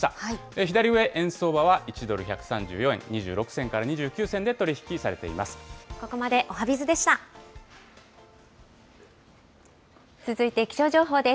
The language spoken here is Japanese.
左上、円相場は１ドル１３４円２６銭から２９銭で取り引きされています。